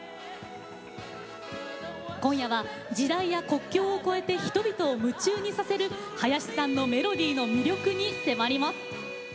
今夜は時代や国境を超えて人々を夢中にさせる林さんのメロディーの魅力に迫ります。